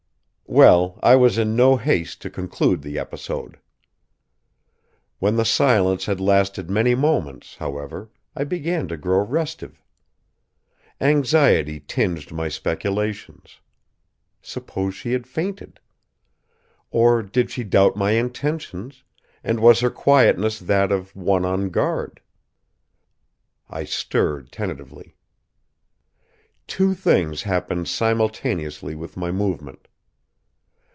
Well, I was in no haste to conclude the episode! When the silence had lasted many moments, however, I began to grow restive. Anxiety tinged my speculations. Suppose she had fainted? Or did she doubt my intentions, and was her quietness that of one on guard? I stirred tentatively. Two things happened simultaneously with my movement.